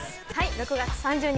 ６月３０日